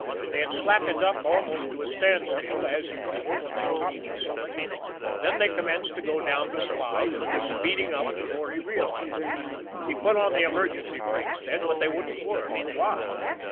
They had slackened up almost to a standstill, as usual, when they topped the summit; then they commenced to go down the Slide, and were speeding up before he realized it. He put on the emergency brakes then, but they wouldn't work. Why?